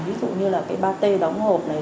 ví dụ như là cái pate đóng hộp này